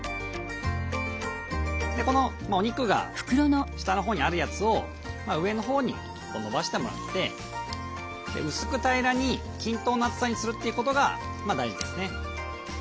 このお肉が下のほうにあるやつを上のほうに延ばしてもらって薄く平らに均等の厚さにするということが大事ですね。